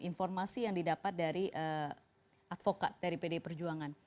informasi yang didapat dari advokat dari pdi perjuangan